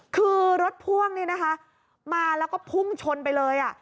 คือรถพ่วงนี่นะคะมาแล้วก็พุ่งชนไปเลย